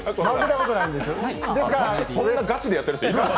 そんなガチでやってる人います？